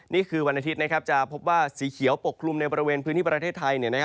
นี่คือวันอาทิตย์จะพบว่าสีเขียวปกคลุมในบริเวณพื้นที่ประเทศไทย